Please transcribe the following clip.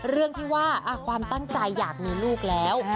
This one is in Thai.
เรื่องที่ว่าความตั้งใจอยากมีลูกแล้ว